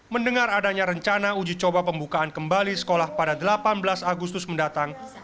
mendengar adanya rencana uji coba pembukaan kembali sekolah pada delapan belas agustus mendatang